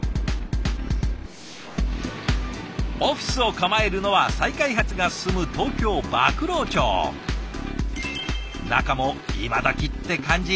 オフィスを構えるのは再開発が進む中も今どきって感じ。